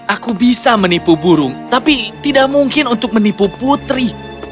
aku bisa menipu burung tapi tidak mungkin untuk menipu putri